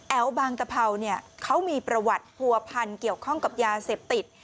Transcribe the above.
บางตะเภาเนี่ยเขามีประวัติผัวพันธ์เกี่ยวข้องกับยาเสพติด